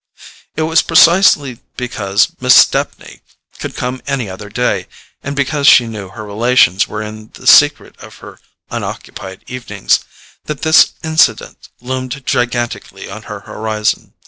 It was precisely because Miss Stepney could come any other day—and because she knew her relations were in the secret of her unoccupied evenings—that this incident loomed gigantically on her horizon.